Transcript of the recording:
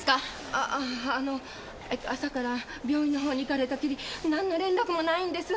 ああの朝から病院の方に行かれたきりなんの連絡もないんです。